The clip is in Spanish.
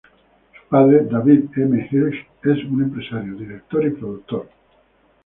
Su padre, David M. Hirsch, es un empresario, director y productor.